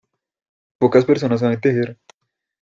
Pocas personas saben tejer.